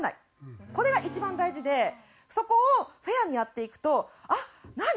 これが一番大事でそこをフェアにやっていくと何？